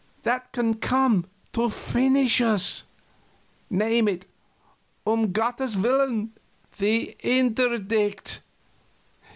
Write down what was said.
"That can come to finish us!" "Name it um Gottes Willen!" "The Interdict!"